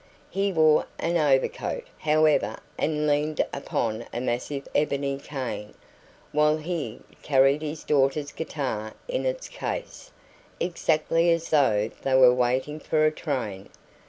He wore an overcoat, however, and leaned upon a massive ebony cane, while he carried his daughter's guitar in its case, exactly as though they were waiting for a train.